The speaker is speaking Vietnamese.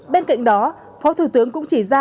bên cạnh đó phó thủ tướng cũng chỉ ra